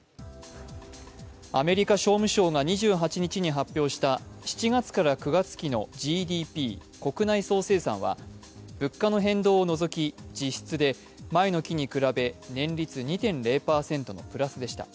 アメリカ商務相が２８日に発表した７月から９月期のＧＤＰ＝国内総生産は、物価の変動を除き実質で前の期に比べ年率２．０％のプラスでした。